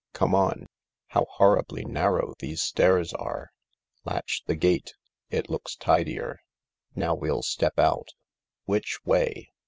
Come on — how horribly narrow these stairs are I Latch the gate ; it looks tidier. Now we'll step out. Which way